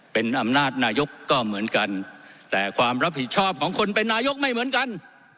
เป็นอำนาจนายกก็เหมือนกันแต่ความรับผิดชอบของคนเป็นนายกไม่เหมือนกัน